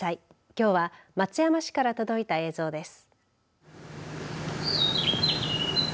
きょうは松山市から届いた映像です。